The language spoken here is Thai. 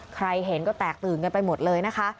ใครเห็นก็แตกตื่นกันไปหมดเลยนะคะ